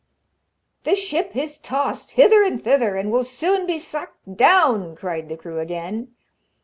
'The ship is tossed hither and thither, and will soon be sucked down,' cried the crew again.